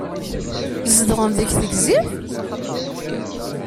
Zedɣen deg Tegzirt?